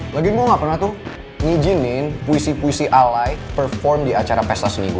lagian gue gak pernah tuh ngijinin puisi puisi alay perform di acara pesta seni gue